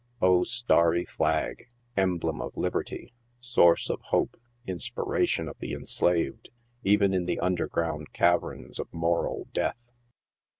Oh, starry flag ! emblem of liberty, source of hope, inspiration of the enslaved, even in the underground caverns of moral death!